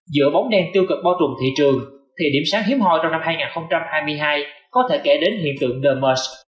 giữa bóng đen tiêu cực bao trùm thị trường thì điểm sáng hiếm hoi trong năm hai nghìn hai mươi hai có thể kể đến hiện tượng nemerce